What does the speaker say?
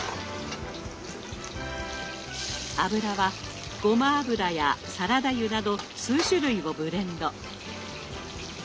油はごま油やサラダ油など数種類をブレンド。